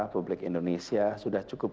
publik indonesia sudah cukup